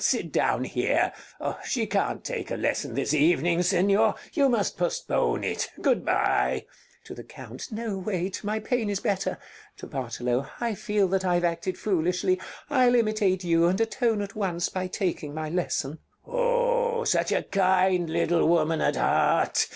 Sit down here. She can't take a lesson this evening, Señor: you must postpone it. Good by. Rosina [to the Count] No, wait; my pain is better. [To Bartolo.] I feel that I've acted foolishly! I'll imitate you, and atone at once by taking my lesson. Bartolo Oh! Such a kind little woman at heart!